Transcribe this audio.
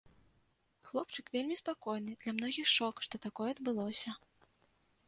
Хлопчык вельмі спакойны, для многіх шок, што такое адбылося.